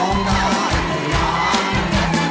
ร้องได้ให้ร้อง